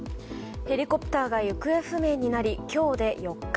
ヘリコプターが行方不明になり今日で４日。